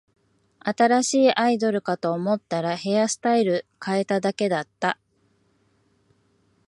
新しいアイドルかと思ったら、ヘアスタイル変えただけだった